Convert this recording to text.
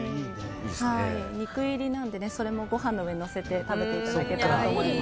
肉入りなのでそれもご飯の上にのせて食べていただけたら。